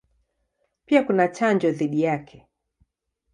Pia kuna chanjo dhidi yake.